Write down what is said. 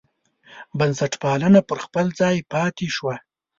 بنسټپالنه پر خپل ځای پاتې شوه.